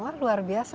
wah luar biasa ya